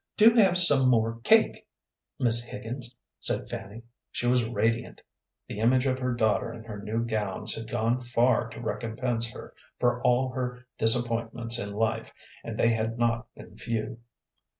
"Do have some more cake, Miss Higgins," said Fanny. She was radiant. The image of her daughter in her new gowns had gone far to recompense her for all her disappointments in life, and they had not been few.